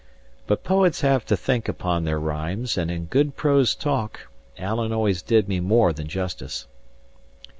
But poets have to think upon their rhymes; and in good prose talk, Alan always did me more than justice.